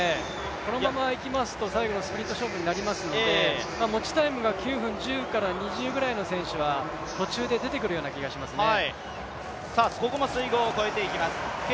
このままいきますと最後のスプリント勝負になりますので持ちタイムが９分１０から２０くらいの選手は途中から出てくる気がしますね。